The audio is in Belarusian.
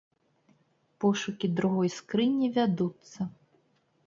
Пошукі другой скрыні вядуцца.